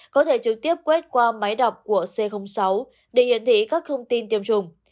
có thể trực tiếp quét qua máy đọc của c sáu để hiển thị các thông tin tiêm chủng